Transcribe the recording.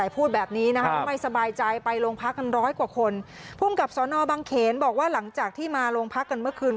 ภูมิกับสนบังเขนบอกว่าหลังจากที่มาลงพักกันเมื่อคืน